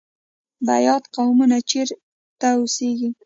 بیات قومونه چیرته اوسیږي؟